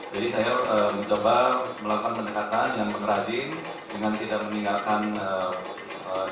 jadi saya mencoba melakukan pendekatan yang penerajin dengan tidak meninggalkan budaya